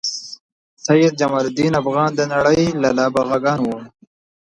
سید جمال الدین افغان د نړۍ له نابغه ګانو و.